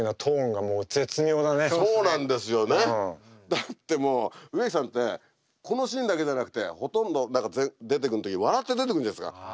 だってもう植木さんってこのシーンだけじゃなくてほとんど出てくる時笑って出てくるんですから。